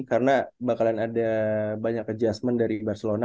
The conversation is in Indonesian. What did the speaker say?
karena bakalan ada banyak adjustment dari barcelona